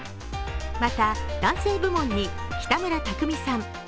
また、男性部門に北村匠海さん